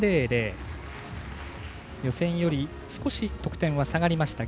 予選より少し得点は下がりました。